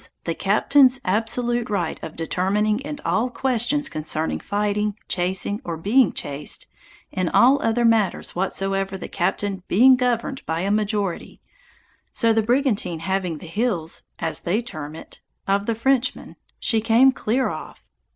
the captain's absolute right of determining in all questions concerning fighting, chasing, or being chased; in all other matters whatsoever the captain being governed by a majority; so the brigantine having the heels, as they term it, of the Frenchman, she came clear off.